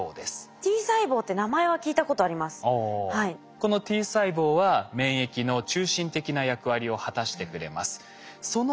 このＴ細胞は免疫の中心的な役割を果たしてくれます。